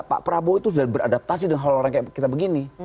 pak prabowo itu sudah beradaptasi dengan hal orang kayak kita begini